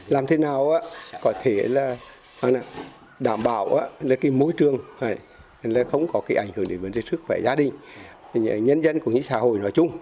làm thế nào có thể đảm bảo môi trường không có ảnh hưởng đến vấn đề sức khỏe gia đình nhân dân và những xã hội nói chung